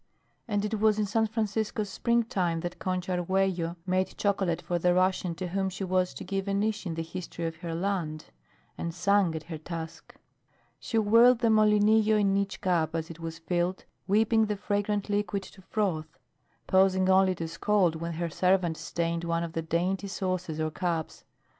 And it was in San Francisco's springtime that Concha Arguello made chocolate for the Russian to whom she was to give a niche in the history of her land; and sang at her task. She whirled the molinillo in each cup as it was filled, whipping the fragrant liquid to froth; pausing only to scold when her servant stained one of the dainty saucers or cups.